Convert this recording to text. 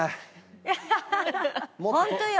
ホントよ。